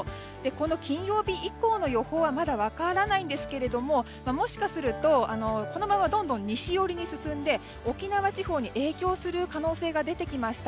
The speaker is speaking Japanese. この金曜日以降の予報はまだ分からないんですがもしかするとこのままどんどん西寄りに進んで沖縄地方に影響する可能性が出てきました。